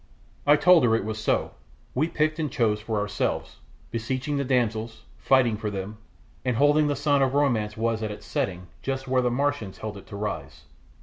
I told her it was so we picked and chose for ourselves, beseeching the damsels, fighting for them, and holding the sun of romance was at its setting just where the Martians held it to rise.